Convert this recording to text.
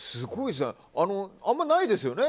あんまりないですよね。